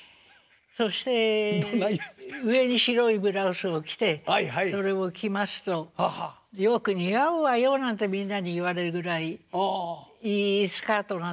そして上に白いブラウスを着てそれを着ますと「よく似合うわよ」なんてみんなに言われるぐらいいいスカートなんですね。